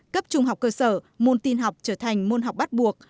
cấp trung học cơ sở môn tin học trở thành môn học bắt buộc